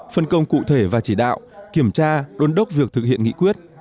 phân công cụ thể và chỉ đạo kiểm tra đôn đốc việc thực hiện nghị quyết